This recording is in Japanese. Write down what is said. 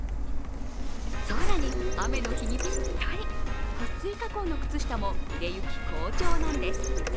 更に、雨の日にぴったり、はっ水加工の靴下も売れ行き好調なんです。